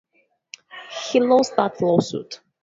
He lost that lawsuit.